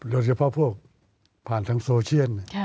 โดยเฉพาะพวกผ่านทางโซเชียล